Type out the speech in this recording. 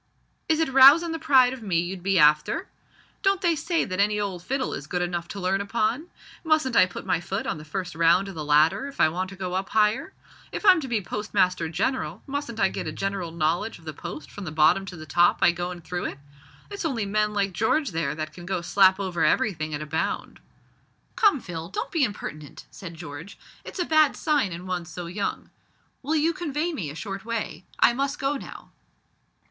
"Is it rousin' the pride of me you'd be afther? Don't they say that any ould fiddle is good enough to learn upon? Mustn't I put my foot on the first round o' the ladder if I want to go up higher? If I'm to be Postmaster General mustn't I get a general knowledge of the post from the bottom to the top by goin' through it? It's only men like George there that can go slap over everything at a bound." "Come, Phil, don't be impertinent," said George, "it's a bad sign in one so young. Will you convoy me a short way? I must go now."